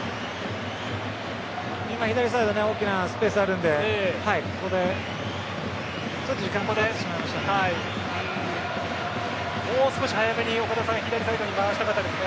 今、左サイド大きなスペースあるので時間かかってしまいましたが。